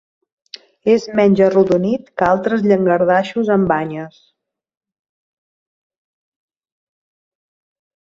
És menys arrodonit que altres llangardaixos amb banyes.